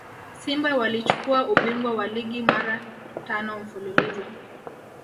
simba walichukua ubingwa wa ligi mara tano mfululizo